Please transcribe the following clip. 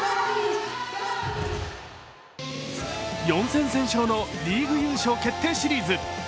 ４戦先勝のリーグ優勝決定シリーズ。